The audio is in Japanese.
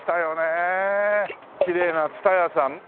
きれいな蔦屋さん。